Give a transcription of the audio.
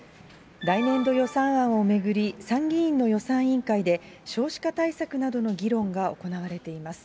来年度予算案を巡り、参議院の予算委員会で、少子化対策などの議論が行われています。